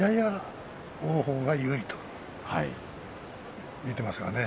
王鵬が有利と見ていますね。